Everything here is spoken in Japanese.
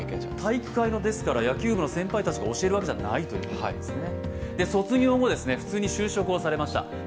体育会の野球部の先輩たちが教えるわけじゃないということですね。